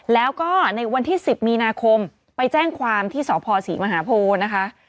แล้วก็ในวันที่๑๐มีนาคมไปแจ้งความที่สพศรีมหาโพนะคะ